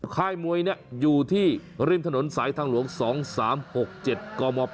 ค่ายมวยอยู่ที่ริมถนนสายทางหลวง๒๓๖๗กม๘